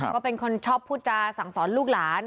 ก็เป็นคนชอบพูดจาสั่งสอนลูกหลาน